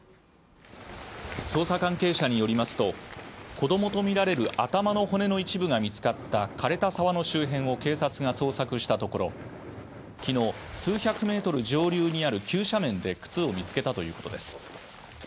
捜査関係者によりますと子どもと見られる頭の骨の一部が見つかったかれた沢の周辺を警察が捜索したところ昨日数百メートル上流にある急斜面で靴を見つけたということです